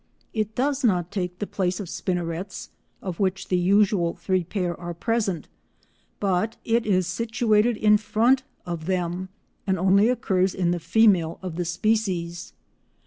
It does not take the place of spinnerets, of which the usual three pairs are present, but it is situated in front of them, and only occurs in the female of the species.